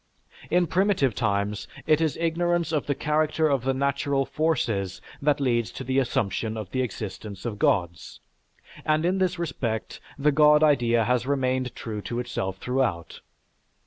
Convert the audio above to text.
In primitive times it is ignorance of the character of the natural forces that leads to the assumption of the existence of Gods, and in this respect the God idea has remained true to itself throughout.